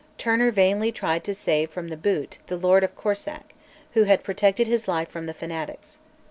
Turner vainly tried to save from the Boot the Laird of Corsack, who had protected his life from the fanatics.